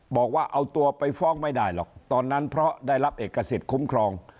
บอกว่าเอาตัวไปฟ้องไม่ได้หรอกตอนนั้นเพราะได้รับเอกสิทธิ์คุ้มครอง